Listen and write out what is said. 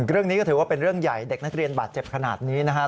เรื่องนี้ก็ถือว่าเป็นเรื่องใหญ่เด็กนักเรียนบาดเจ็บขนาดนี้นะฮะ